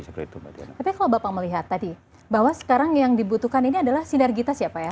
tapi kalau bapak melihat tadi bahwa sekarang yang dibutuhkan ini adalah sinergitas ya pak ya